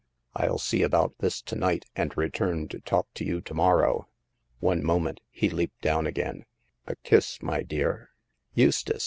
"FU see about this to night, and return to talk to you to morrow. One moment "— he leaped down again —a kiss, my dear." Eustace